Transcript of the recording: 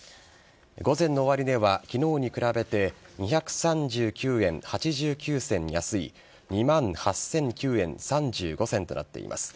午前の終値はきのうに比べて２３９円８９銭安い２万８００９円３５銭となっています。